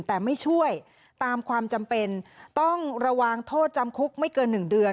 แต่ไม่ช่วยตามความจำเป็นต้องระวังโทษจำคุกไม่เกิน๑เดือน